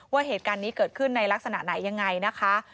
ว่าเหตุการณ์นี้เกิดขึ้นในลักษณะไหนยังไงนะคะ